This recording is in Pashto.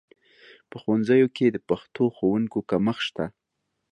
په ښوونځیو کې د پښتو ښوونکو کمښت شته